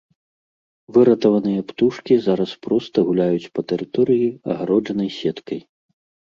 Выратаваныя птушкі зараз проста гуляюць па тэрыторыі, агароджанай сеткай.